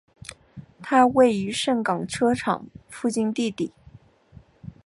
它位于盛港车厂附近地底。